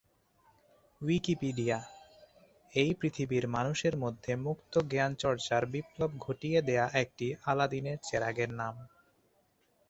Wikipedia — এই পৃথিবীর মানুষের মধ্যে মুক্ত জ্ঞানচর্চার বিপ্লব ঘটিয়ে দেয়া একটি আলাদিনের চেরাগের নাম।